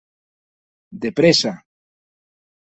De prèssa!